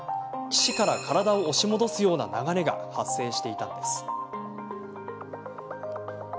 岸から体を押し戻すような流れが発生していたのです。